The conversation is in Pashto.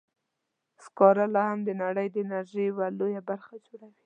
سکاره لا هم د نړۍ د انرژۍ یوه لویه برخه جوړوي.